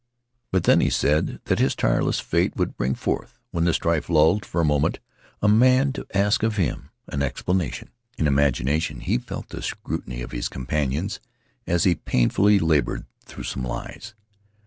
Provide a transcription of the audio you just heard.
But then he said that his tireless fate would bring forth, when the strife lulled for a moment, a man to ask of him an explanation. In imagination he felt the scrutiny of his companions as he painfully labored through some lies.